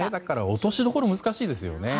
落としどころが難しいですよね。